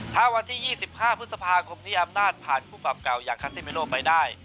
ถ้าวันที่๒๕พฤษภาคมนี้อำนาจผ่านคู่ปรับเก่าอย่างคาซิมิโลไปได้